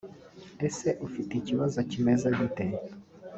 Ese ufite ikibazo kimeze gute